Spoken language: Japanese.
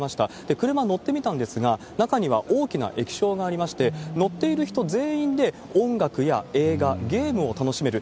車乗ってみたんですが、中には大きな液晶がありまして、乗っている人全員で音楽や映画、ゲームを楽しめる。